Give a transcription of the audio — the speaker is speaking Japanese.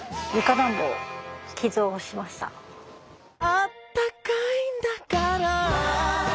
「あったかいんだからぁ」